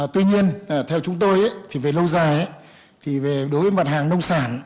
tuy nhiên theo chúng tôi thì về lâu dài thì đối với mặt hàng nông sản